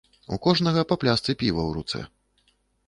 У кожнага па пляшцы піва ў руцэ.